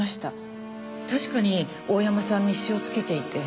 確かに大山さん日誌をつけていて。